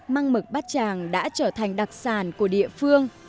măng mực bát tràng đã trở thành đặc sản của địa phương